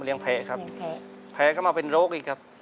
เลี้ยงแพ้ครับ